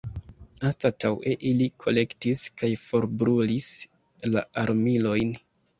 Anstataŭe ili kolektis kaj forbrulis la armilojn.